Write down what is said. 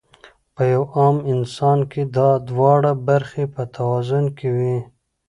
پۀ يو عام انسان کې دا دواړه برخې پۀ توازن کې وي -